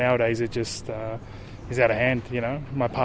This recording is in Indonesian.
untuk lima dolar di era